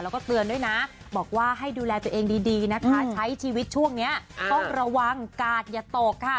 แล้วก็เตือนด้วยนะบอกว่าให้ดูแลตัวเองดีนะคะใช้ชีวิตช่วงนี้ต้องระวังกาดอย่าตกค่ะ